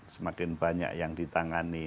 semakin banyak yang ditandai